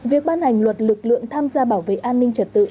việc ban hành luật lực lượng tham gia bảo vệ an ninh trật tự